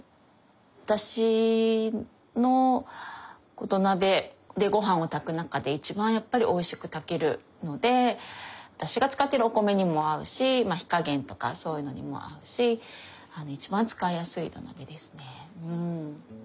私の土鍋でご飯を炊く中で一番やっぱりおいしく炊けるので私が使ってるお米にも合うし火加減とかそういうのにも合うし一番使いやすい土鍋ですね。